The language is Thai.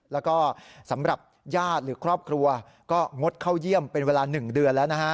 แล้วก็สำหรับญาติหรือครอบครัวก็งดเข้าเยี่ยมเป็นเวลา๑เดือนแล้วนะฮะ